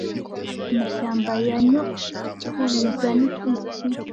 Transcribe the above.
Amashyamba ya nyokuruza ni iki